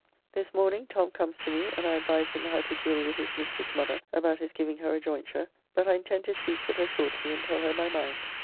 This morning Tom comes to me, and I advise him how to deal with his mistress's mother about his giving her a joynture, but I intend to speak with her shortly, and tell her my mind.